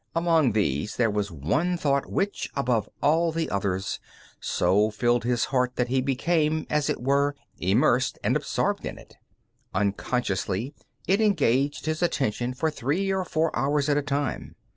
Among these there was one thought which, above the others, so filled his heart that he became, as it were, immersed and absorbed in it. Unconsciously, it engaged his attention for three and four hours at a time.